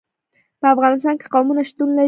په افغانستان کې قومونه شتون لري.